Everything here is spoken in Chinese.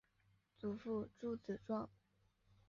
祖父朱子庄。